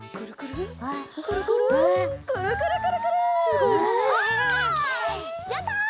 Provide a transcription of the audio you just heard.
すごい！やった！